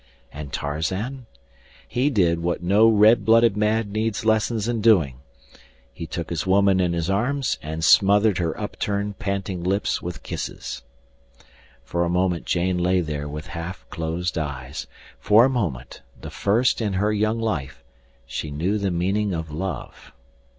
And Tarzan? He did what no red blooded man needs lessons in doing. He took his woman in his arms and smothered her upturned, panting lips with kisses. For a moment Jane lay there with half closed eyes. For a moment—the first in her young life—she knew the meaning of love.